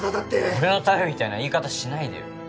俺のためみたいな言い方しないでよ